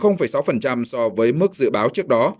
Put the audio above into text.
giảm sáu so với mức dự báo trước đó